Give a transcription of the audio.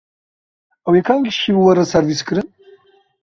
Ew ê kengî şîv were servîskirin?